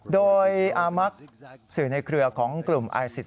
โดยอามักสื่อในเครือของกลุ่มไอซิส